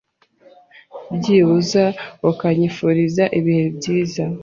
byibuza ukanyifuriza ibihe byiza